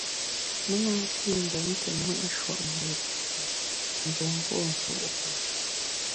Me na mfi mgbom te mùt nshuopmbù, pète, nzun pô nsù’pam.